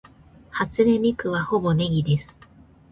初音ミクはほぼネギです